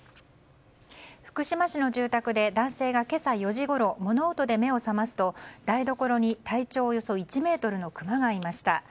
福島市の住宅で男性が今朝４時ごろ物音で目を覚ますと台所に、体長およそ１ｍのクマがいました。